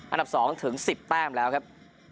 อันดับ๒ถึง๑๐แต้มแล้วครับ